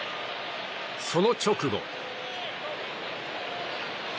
その直後。